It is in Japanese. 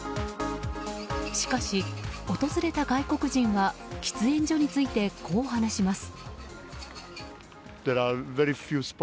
しかし訪れた外国人は喫煙所についてこう話します。